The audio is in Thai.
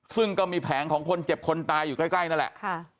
ซึ่งก็มีแผงของคนเจ็บคนตายอยู่ใกล้นั่นแหละ